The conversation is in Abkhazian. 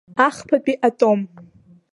Ахԥатәи атом.